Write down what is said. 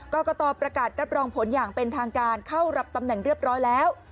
กรกตประกาศรับรองผลอย่างเป็นทางการเข้ารับตำแหน่งเรียบร้อยแล้ว